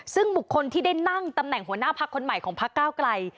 ซึ่งบุคคลที่ได้นั่งตำแหน่งหัวหน้าพักคนใหม่ของพักเก้าไกล